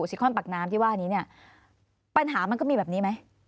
ซิคอนปากน้ำที่ว่านี้เนี่ยปัญหามันก็มีแบบนี้ไหม